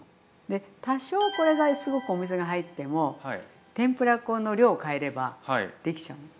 で多少これがすごくお水が入っても天ぷら粉の量を変えればできちゃうの。